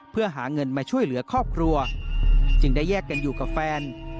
เพื่อหาเงินมาช่วยเหลือครอบครัวจึงได้แยกกันอยู่กับแฟน